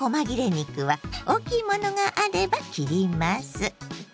肉は大きいものがあれば切ります。